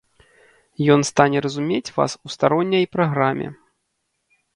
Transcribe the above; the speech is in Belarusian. Ён стане разумець вас у старонняй праграме.